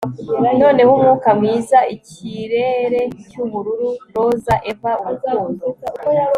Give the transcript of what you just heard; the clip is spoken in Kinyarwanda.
Noneho umwuka mwiza ikirere cyubururu roza Eva urukundo